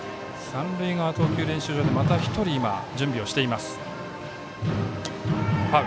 三塁側、投球練習場でまた１人、準備をしています。